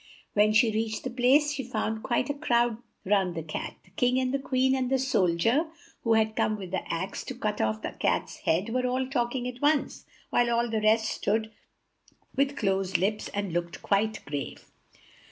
When she reached the place, she found quite a crowd round the Cat. The King and the Queen and the sol dier who had come with the axe, to cut off the Cat's head, were all talking at once, while all the rest stood with closed lips and looked quite grave.